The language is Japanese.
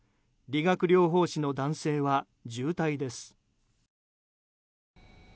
理学療法士の男性は重体です。